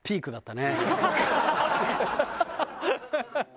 ハハハハ！